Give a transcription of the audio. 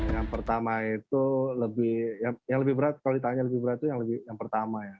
yang pertama itu lebih yang lebih berat kalau ditanya lebih berat itu yang pertama ya